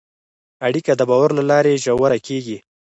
اړیکه د باور له لارې ژوره کېږي.